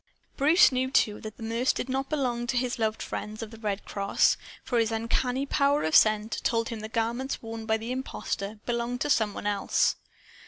Bruce knew, too, that the nurse did not belong to his loved friends of the Red Cross. For his uncanny power of scent told him the garments worn by the impostor belonged to some one else.